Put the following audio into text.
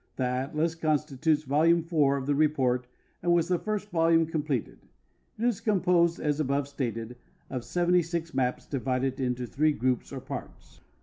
The atlas constitutes volume 4 of the report and was the (ir.^^t volume com pleted. It is composed, as al)ove stated, of 7G maps, divided into three groups or parts.